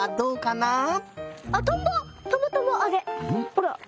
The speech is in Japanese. ほら。